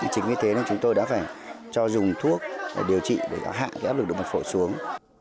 chính vì thế nên chúng tôi đã phải cho dùng thuốc để điều trị để hạ áp lực đụng bệnh phổi xuống